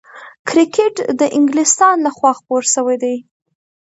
کرکټ د انګلستان له خوا خپور سوی دئ.